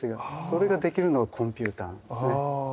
それができるのがコンピューターなんですね。